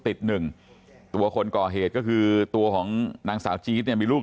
หนึ่งตัวคนก่อเหตุก็คือตัวของนางสาวจี๊ดเนี่ยมีลูก